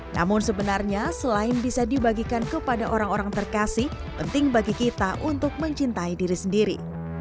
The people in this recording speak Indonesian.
namun sebenarnya selain bisa dibagikan kepada orang orang terkasih penting bagi kita untuk mencintai diri sendiri